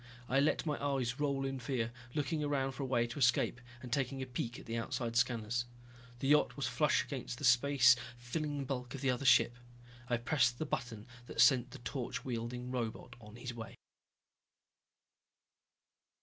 I let my eyes roll in fear, looking around for a way to escape and taking a peek at the outside scanners. The yacht was flush against the space filling bulk of the other ship. I pressed the button that sent the torch wielding robot on his way.